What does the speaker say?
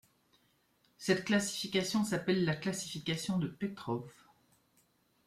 Cette classification s'appelle la classification de Petrov.